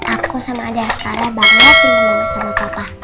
aku sama adiaskara banget ingin bersama papa